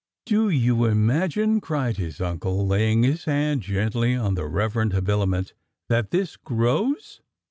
"Do you imagine," cried his uncle, laying his hand gently on the reverend habiliment, "that this grows?"